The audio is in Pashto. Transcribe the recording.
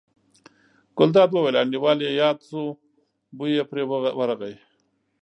ګلداد وویل: انډیوال یې یاد شو، بوی یې پرې ورغی.